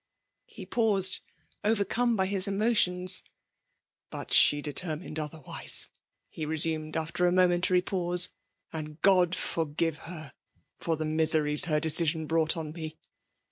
'' He paused, overcome by his emotions. " But she determined othermse,*' he resumed, after a momentary pause ;" and God for give her for the miseries her decision brought on me